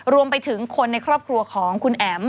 รวมไปถึงคนในครอบครัวของคุณแอ๋ม